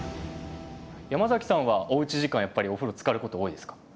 ヤマザキさんはおうち時間やっぱりお風呂つかること多いですか？